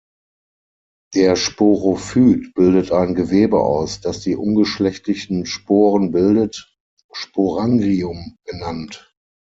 Der Sporophyt bildet ein Gewebe aus, das die ungeschlechtlichen Sporen bildet, Sporangium genannt.